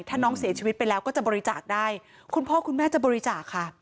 ถ้าน้องเสียชีวิตไปแล้วก็จะบริจาคได้คุณพ่อคุณแม่จะบริจาคค่ะ